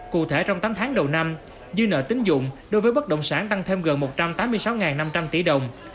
cụ thể trong tám tháng đầu năm dư nợ tính dụng đối với bất động sản tăng thêm gần một trăm tám mươi sáu năm trăm linh tỷ đồng